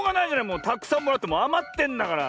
もうたくさんもらってあまってんだから。